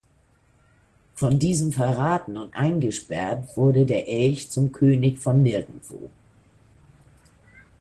Von diesem verraten und eingesperrt wurde der Elch zum König von Nirgendwo.